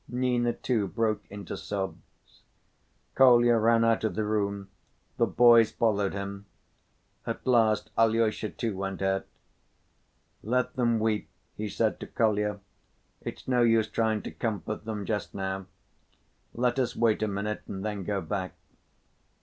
Nina, too, broke into sobs. Kolya ran out of the room, the boys followed him. At last Alyosha too went out. "Let them weep," he said to Kolya, "it's no use trying to comfort them just now. Let us wait a minute and then go back."